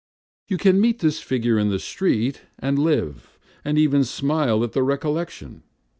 You can meet this figure in the street, and live, and even smile at the recollection.